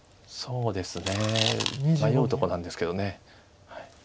そうですね迷うとこなんですけど。